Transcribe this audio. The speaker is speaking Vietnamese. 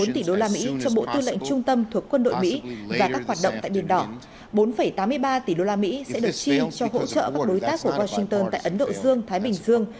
bốn tỷ đô la mỹ cho bộ tư lệnh trung tâm thuộc quân đội mỹ và các hoạt động tại biển đỏ bốn tám mươi ba tỷ đô la mỹ sẽ được chi cho hỗ trợ các đối tác của washington tại ấn độ dương thái bình dương